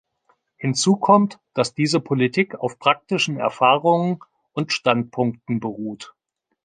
Hinzu kommt, dass diese Politik auf praktischen Erfahrungen und Standpunkten beruht.